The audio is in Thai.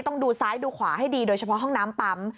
ต้องดูซ้ายดูขวาให้ดีโดยเฉพาะห้องน้ำปั๊ม